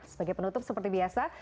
sebagai penutup seperti biasa